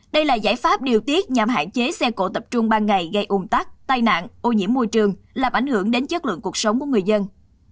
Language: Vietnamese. đây là giải pháp điều tiết nhằm hạn chế xe cổ tập trung ban ngày gây ồn tắc tai nạn ô nhiễm môi trường làm ảnh hưởng đến chất lượng cuộc sống của người dân